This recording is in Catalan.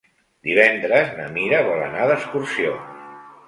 Divendres na Mira vol anar d'excursió.